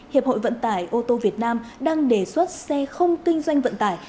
hiệp hội vận tải ô tô việt nam đang đề xuất xe không kinh doanh vận tải